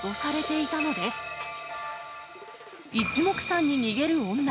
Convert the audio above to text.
いちもくさんに逃げる女。